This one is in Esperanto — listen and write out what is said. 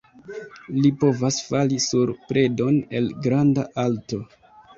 Ili povas "fali" sur predon el granda alto.